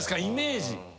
イメージ。